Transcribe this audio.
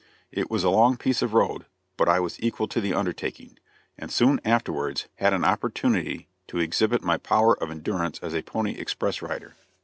It was a long piece of road, but I was equal to the undertaking; and soon afterwards had an opportunity to exhibit my power of endurance as a pony express rider.